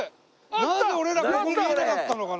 なんで俺らここ見えなかったのかな？